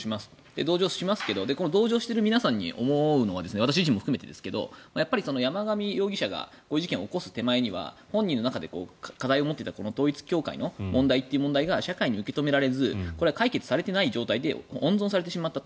同情しますけどこの同情している皆さんに思うのは私自身も含めてですが山上容疑者が事件を起こす手前には本人の中で課題を持っていた統一教会の問題が社会に受け止められずこれは解決されない状態で温存されてしまったと。